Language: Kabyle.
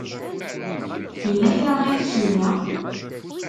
Yella kra ay ak-yenna?